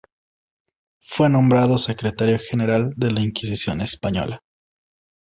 Fue nombrado secretario general de la Inquisición Española.